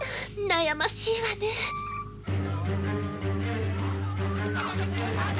悩ましいわねえ。